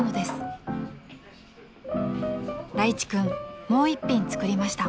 ［らいち君もう一品作りました］